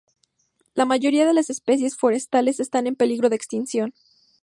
La mayoría de las especies forestales están en peligro de extinción.